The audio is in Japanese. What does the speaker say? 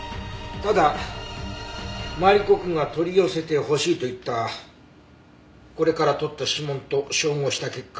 ただマリコくんが取り寄せてほしいと言ったこれから採った指紋と照合した結果。